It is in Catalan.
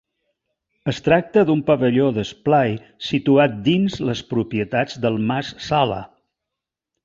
Es tracta d'un pavelló d'esplai situat dins les propietats del mas Sala.